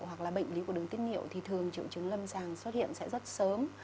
hoặc là bệnh lý của đường tiết niệu thì thường triệu chứng lâm sàng xuất hiện sẽ rất sớm